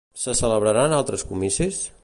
Se celebraran altres comicis?